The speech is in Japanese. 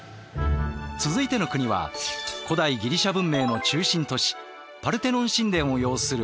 続いての国は古代ギリシャ文明の中心都市パルテノン神殿を擁するアテネ。